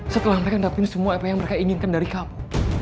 setelah mereka dapetin semua apa yang mereka inginkan dari kamu